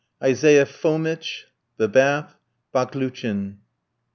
ISAIAH FOMITCH THE BATH BAKLOUCHIN.